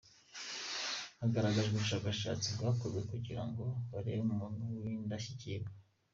Hagaragajwe ubushakashatsi bwakozwe kugira ngo barebe umuntu w'Indashyikirwa.